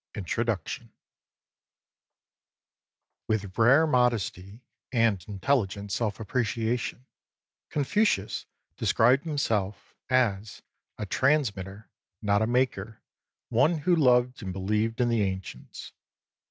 INTRODUCTION WITH rare modesty and intelligent self appreciation, Confucius described himself as " a transmitter, not a maker, one who loved and believed in the ancients."